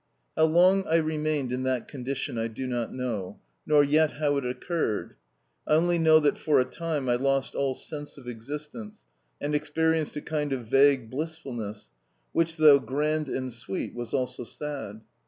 How long I remained in that condition I do not know, nor yet how it occurred. I only know that for a time I lost all sense of existence, and experienced a kind of vague blissfulness which though grand and sweet, was also sad.